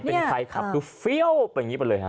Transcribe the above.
เป็นใครขับก็ฟิวไปอย่างนี้ไปเลย